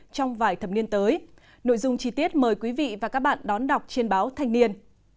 trong vài thập niên tới nội dung chi tiết mời quý vị và các bạn đón đọc trên báo thanh niên